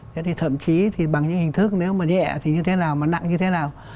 thế thì thậm chí thì bằng những hình thức nếu mà nhẹ thì như thế nào mà nặng như thế nào